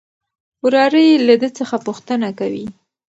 وراره يې له ده څخه پوښتنه کوي.